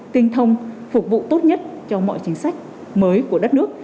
tinh thông phục vụ tốt nhất cho mọi chính sách mới của đất nước